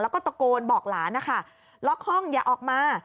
แล้วก็ตะโกนบอกหลานนะคะล็อกห้องอย่าออกมา